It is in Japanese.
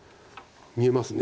見えます。